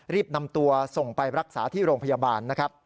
รีบนำตัวส่งไปรักษาที่โรงพยาบาลนะครับ